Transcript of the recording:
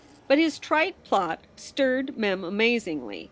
But his trite plot stirred Mem amazingly.